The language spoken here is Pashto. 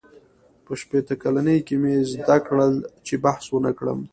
• په شپېته کلنۍ کې مې زده کړل، چې بحث ونهکړم.